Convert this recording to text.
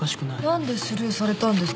何でスルーされたんですかね？